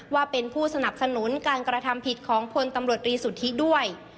ว่าเป็นผู้สนับสนุนการกระทำผิดของพลตำรวจรีสุทธิด้วย